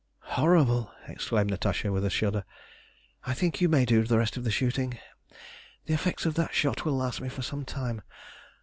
"Horrible!" exclaimed Natasha, with a shudder. "I think you may do the rest of the shooting. The effects of that shot will last me for some time.